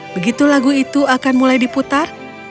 begitu lagu itu akan mulai diputar